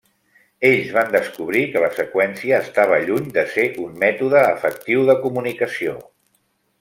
Ells van descobrir que la seqüència estava lluny de ser un mètode efectiu de comunicació.